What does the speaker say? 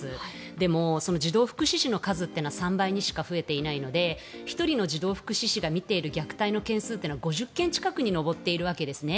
でも、児童福祉司の数は３倍にしか増えていないので１人の児童福祉司が見ている児童虐待は５０件近くに上っているんですね。